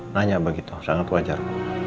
nanya begitu sangat wajar